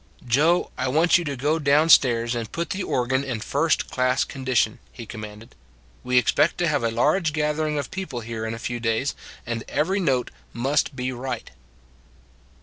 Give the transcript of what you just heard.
" Joe, I want you to go down stairs and put the organ in first class condition," he commanded. " We expect to have a large gathering of people here in a few days, and every note must be right."